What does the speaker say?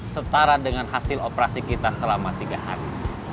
setara dengan hasil operasi kita selama tiga hari